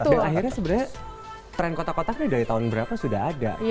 dan akhirnya sebenarnya tren kotak kotak ini dari tahun berapa sudah ada